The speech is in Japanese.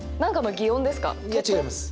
いや、違います。